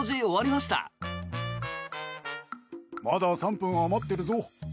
まだ３分余ってるぞ。